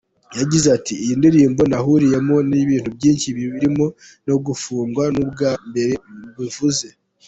Yagize ati “Iyi ndirimbo nahuriyemo ni bintu byinshi birimo no gufungwa nubwa mbere mbivuze.